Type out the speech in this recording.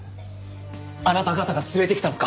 あなた方が連れてきたのか？